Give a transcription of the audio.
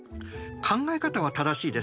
考え方は正しいです。